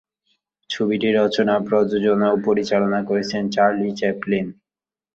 ছবিটি রচনা, প্রযোজনা ও পরিচালনা করেছেন চার্লি চ্যাপলিন।